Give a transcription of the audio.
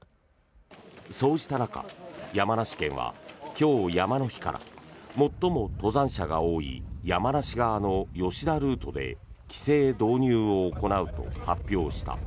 そうした中、山梨県は今日、山の日から最も登山者が多い山梨側の吉田ルートで規制導入を行うと発表した。